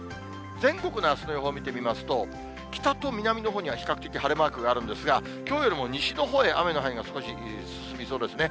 全国のあすの予報見てみますと、北と南のほうには比較的晴れマークがあるんですが、きょうよりも西のほうで雨の範囲が少し進みそうですね。